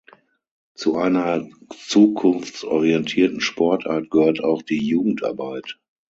Zu einer zukunftsorientierten Sportart gehört auch die Jugendarbeit.